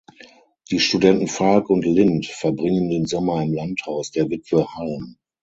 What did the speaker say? Die Studenten Falk und Lind verbringen den Sommer im Landhaus der Witwe Halm.